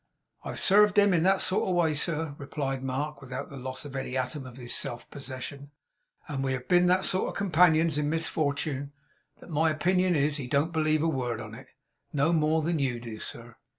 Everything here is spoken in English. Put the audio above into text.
'I have served him in that sort of way, sir,' replied Mark, without the loss of any atom of his self possession; 'and we have been that sort of companions in misfortune, that my opinion is, he don't believe a word on it. No more than you do, sir.